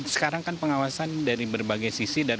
sekarang kan pengawasan dari berbagai sisi